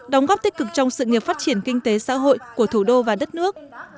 đóng góp tích cực trong sự nghiệp phát triển kinh tế xã hội của thủ đô và đất nước